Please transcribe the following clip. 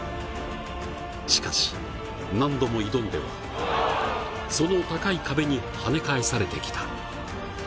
しかし、何度も挑んではその高い壁にはね返されてきた。